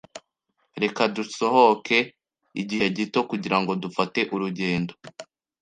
Reka dusohoke igihe gito kugirango dufate urugendo.